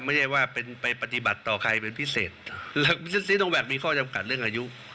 ไม่ใช่ว่าเป็นไปปฏิบัติต่อใครเป็นพิเศษซีโนแวคมีข้อจำกัดเรื่องอายุ